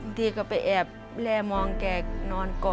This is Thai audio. บางทีก็ไปแอบและมองแก่นอนก่อน